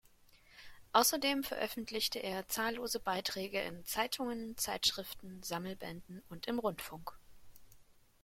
Außerdem veröffentlichte er zahllose Beiträge in Zeitungen, Zeitschriften, Sammelbänden und im Rundfunk.